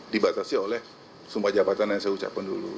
dibatasi oleh sumpah jabatan yang saya ucapkan dulu